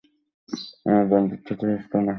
আমার বন্ধুত্ব এত সস্তা না।